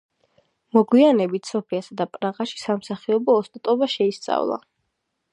მოგვიანებით, სოფიასა და პრაღაში სამსახიობო ოსტატობა შეისწავლა.